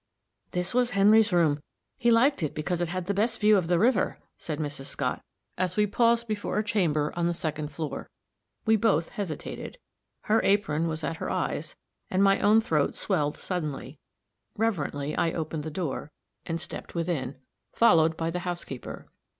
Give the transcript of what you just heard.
"This was Harry's room; he liked it because it had the best view of the river," said Mrs. Scott, as we paused before a chamber on the second floor. We both hesitated; her apron was at her eyes, and my own throat swelled suddenly: reverently I opened the door, and stepped within, followed by the housekeeper.